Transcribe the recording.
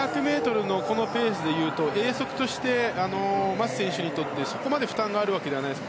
２００ｍのペースでいうと泳速として、マス選手にとってそこまで負担があるわけではないです。